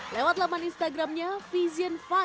lewat laman instagramnya vision lima